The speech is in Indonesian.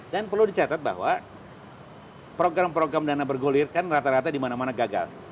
dan perlu dicatat bahwa program program dana bergulir kan rata rata dimana mana gagal